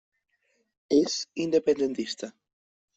És independentista.